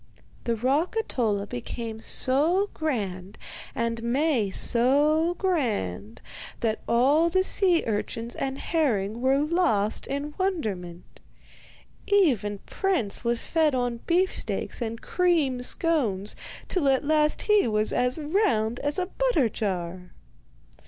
The rock Ahtola became so grand and Maie so grand that all the sea urchins and herring were lost in wonderment. Even Prince was fed on beefsteaks and cream scones till at last he was as round as a butter jar.